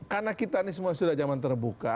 karena kita ini semua sudah zaman terbuka